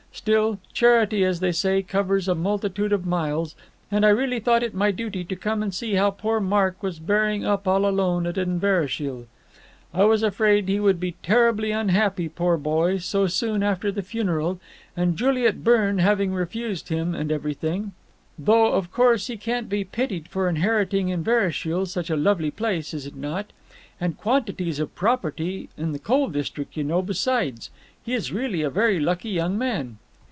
Still charity, as they say, covers a multitude of miles, and I really thought it my duty to come and see how poor Mark was bearing up all alone at Inverashiel. I was afraid he would be terribly unhappy, poor boy, so soon after the funeral, and Juliet Byrne having refused him, and everything. Though of course he can't be pitied for inheriting Inverashiel, such a lovely place, is it not? And quantities of property in the coal district, you know, besides. He is really a very lucky young man."